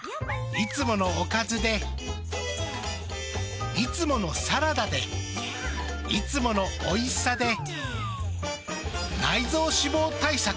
いつものおかずでいつものサラダでいつものおいしさで内臓脂肪対策。